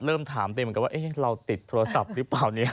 เริ่มถามเรื่องกันว่าเราติดโทรศัพท์หรือเปล่านี่